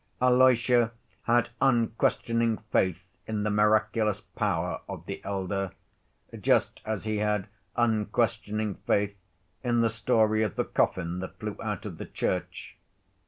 Alyosha had unquestioning faith in the miraculous power of the elder, just as he had unquestioning faith in the story of the coffin that flew out of the church.